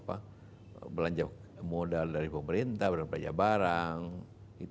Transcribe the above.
yang pertama ekonomi indonesia itu sudah dikeluarkan oleh pemerintah ini